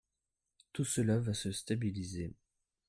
Tout cela va se stabiliser.